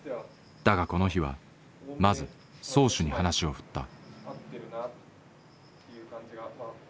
だがこの日はまず漕手に話を振った。